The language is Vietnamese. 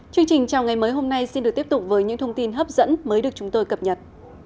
chương trình chào ngày mới hôm nay xin được tiếp tục với những thông tin hấp dẫn mới được chúng tôi cập nhật